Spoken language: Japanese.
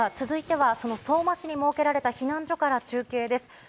続いてはその相馬市に設けられた避難所から中継です。